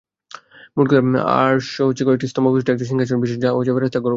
মোটকথা, আরশ কয়েকটি স্তম্ভ বিশিষ্ট একটি সিংহাসন বিশেষ যা ফেরেশতাগণ বহন করে।